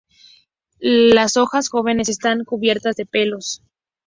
Las hojas jóvenes están cubiertas de pelos.